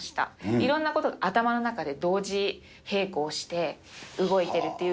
いろんなことが頭の中で同時並行して動いているという。